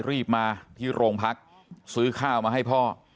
รีบมาที่โรงพักซื้อข้าวมาให้พ่อ